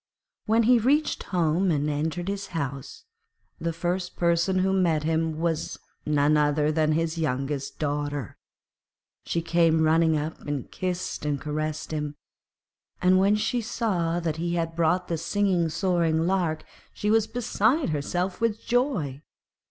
When he reached home, and entered his house, the first person who met him was none other than his youngest daughter; she came running up and kissed and caressed him, and when she saw that he had brought the singing, soaring lark, she was beside herself with joy.